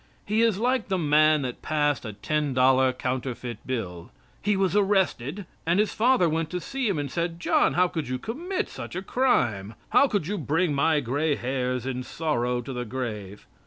He is like the man that passed a ten dollar counterfeit bill. He was arrested and his father went to see him and said, "John, how could you commit such a crime? How could you bring my gray hairs in sorrow to the grave?"